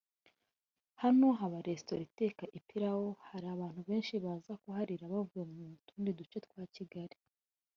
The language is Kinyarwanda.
Hano haba Resitora iteka ipilawu hari abantu benshi baza kuharira bavuye mu tundi duce twa Kigali